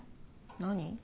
何？